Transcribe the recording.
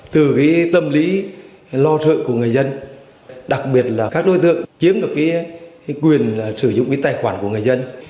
từ tâm lý lo sợ của người dân đặc biệt là các đối tượng chiếm được quyền sử dụng cái tài khoản của người dân